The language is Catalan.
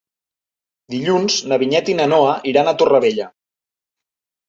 Dilluns na Vinyet i na Noa iran a Torrevella.